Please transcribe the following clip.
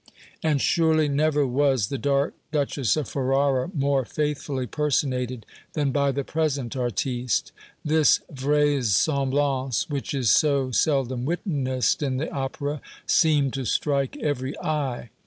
And surely never was the dark Duchess of Ferrara more faithfully personated than by the present artiste. This vraisemblance, which is so seldom witnessed in the opera, seemed to strike every eye.